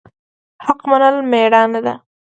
حق منل میړانه ده